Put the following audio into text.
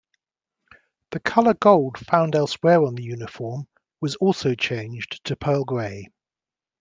The colour gold found elsewhere on the uniform was also changed to pearl-grey.